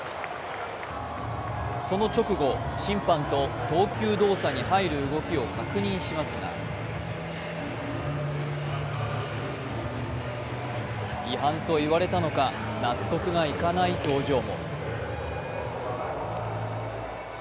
その直後、審判と投球動作に入る動きを確認しますが違反と言われたのか納得がいかない表情も。